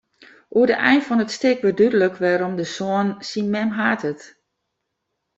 Oan de ein fan it stik wurdt dúdlik wêrom de soan syn mem hatet.